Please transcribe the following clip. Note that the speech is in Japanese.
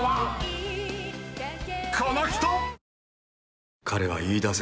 ［この人！］